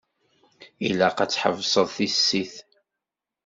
Ilaq ad tḥebseḍ tissit.